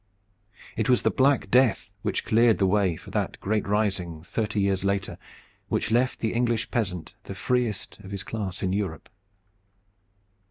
It was the black death which cleared the way for that great rising thirty years later which left the English peasant the freest of his class in Europe.